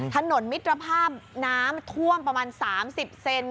ถนนมิตรภาพน้ำท่วมประมาณ๓๐เซน